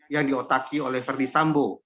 yang diotaki oleh verdi sambo